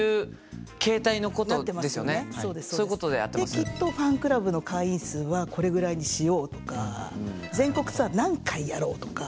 できっとファンクラブの会員数はこれぐらいにしようとか全国ツアー何回やろうとか。